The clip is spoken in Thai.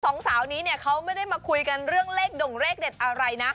สองสาวนี้เนี่ยเขาไม่ได้มาคุยกันเรื่องเลขด่งเลขเด็ดอะไรนะ